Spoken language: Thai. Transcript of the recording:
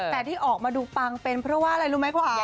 แต่ที่ออกมาดูปังเป็นเพราะว่าอะไรรู้ไหมคุณอา